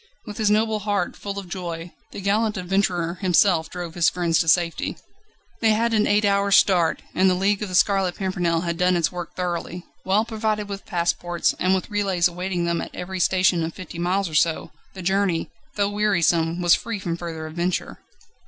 With his noble heart full of joy, the gallant adventurer himself drove his friends to safety. They had an eight hours' start, and The League of The Scarlet Pimpernel had done its work thoroughly: well provided with passports, and with relays awaiting them at every station of fifty miles or so, the journey, though wearisome was free from further adventure.